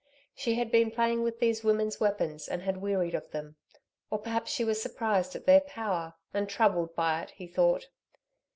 She had been playing with these women's weapons and had wearied of them, or perhaps she was surprised at their power, and troubled by it, he thought.